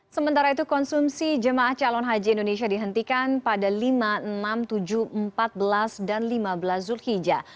sementara itu konsumsi jemaah calon haji indonesia dihentikan pada lima enam tujuh empat belas dan lima belas zulhijjah